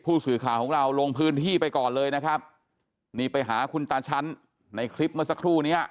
ผู้สื่อข่าวของเราลงพื้นที่ไปก่อนเลยนะครับนี่ไปหาคุณตาชั้นในคลิปเมื่อสักครู่เนี้ย